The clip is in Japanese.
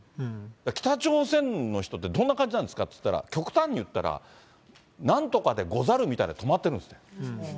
北朝鮮の人ってどんな感じなんですかっていったら、極端に言ったら、なんとかでござるみたいなので止まってるんですって。